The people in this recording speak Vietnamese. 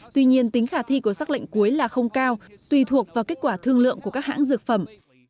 tuy nhiên tính khả thi của sắc lệnh cuối là không cao tùy thuộc vào kết quả thương lượng của các hãng dược phẩm